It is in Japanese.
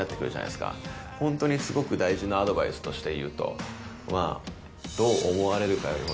ホントにすごく大事なアドバイスとして言うとまぁ。